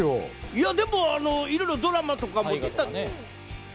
いや、でもいろいろドラマとかも出てたり。